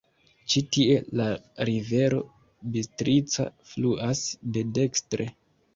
Ĉi tie la rivero Bistrica fluas de dekstre.